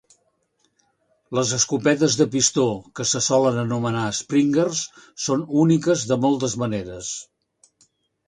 Les escopetes de pistó, que se solen anomenar "springers", són úniques de moltes maneres.